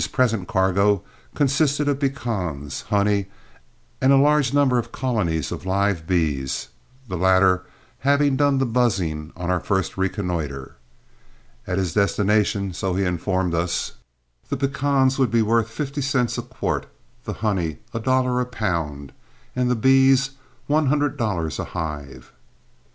His present cargo consisted of pecans, honey, and a large number of colonies of live bees, the latter having done the buzzing on our first reconnoitre. At his destination, so he informed us, the pecans were worth fifty cents a quart, the honey a dollar a pound, and the bees one hundred dollars a hive.